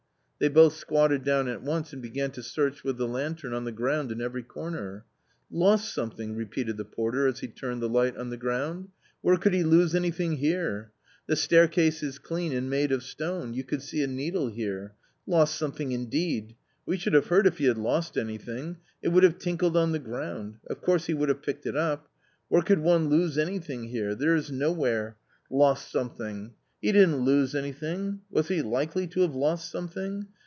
They both squatted down at once and began to search with the lantern on the ground in every corner. " Lost something !" repeated the porter, as he turned the light on the ground, "where could he lose anything here? the staircase is clean and made of stone, you could see a needle here — lost something indeed ! We should have heard if he had lost anything; it would have tinkled on the ground ; of course he would have picked it up ! where could one lose anything here ? There is nowhere ! Lost something ! He didn't lose anything ; was he likely to have lost something?